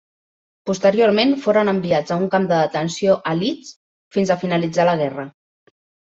Posteriorment foren enviats a un camp de detenció a Leeds fins a finalitzar la guerra.